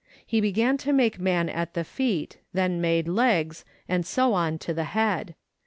He began to make man at the feet, then made legs, and so on to the head.